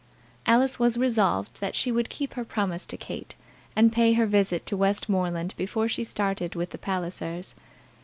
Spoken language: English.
Alice was resolved that she would keep her promise to Kate, and pay her visit to Westmoreland before she started with the Pallisers.